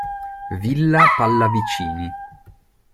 Villa Pallavicini